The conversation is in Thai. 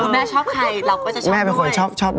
คุณแม่ชอบใครเราก็จะชอบด้วย